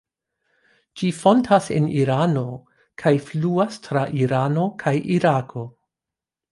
Ĝi fontas en Irano kaj fluas tra Irano kaj Irako.